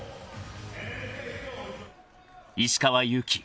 ［石川祐希